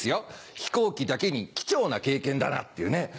飛行機だけに「キチョウな経験だな」っていうね。